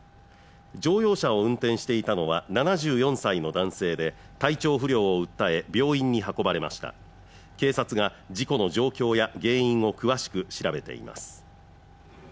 乗用車を運転していたのは７４歳の男性で体調不良を訴え病院に運ばれました警察が事故の状況や原因を詳しく調べています